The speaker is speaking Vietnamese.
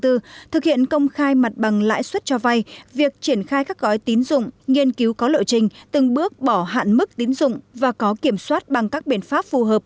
thực hiện công khai mặt bằng lãi suất cho vay việc triển khai các gói tín dụng nghiên cứu có lộ trình từng bước bỏ hạn mức tín dụng và có kiểm soát bằng các biện pháp phù hợp